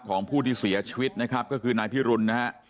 ของผู้ที่เสียชีวิตนะครับก็คือนายพิรุณนะฮะ